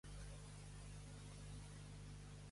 Va vèncer el seu bàndol a la facció franquista?